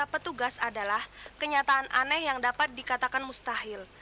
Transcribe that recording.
petugas adalah kenyataan aneh yang dapat dikatakan mustahil